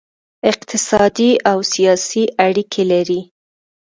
اقتصادي او سیاسي اړیکې لري